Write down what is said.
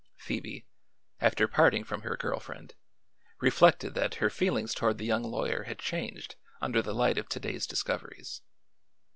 Phoebe, after parting from her girl friend, reflected that her feelings toward the young lawyer had changed under the light of to day's discoveries.